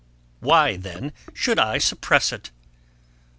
Why then should I suppress it?